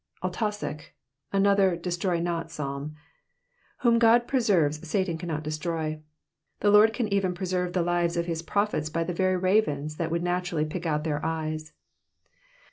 AlUsohith. Another " destroy not " Psalm. Whom Ood preserves ikUan caimM destroy. 7he Lord can even preserve the lives of his prophets by the very ravens thai iDOuld natitraUy pick out their eyes.